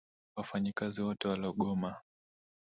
Wafanyikazi wote walogoma